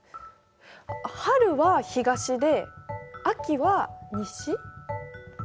春は東で秋は西？